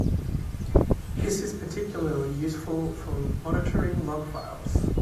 This is particularly useful for monitoring log files.